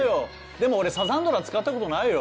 でも俺サザンドラ使ったことないよ。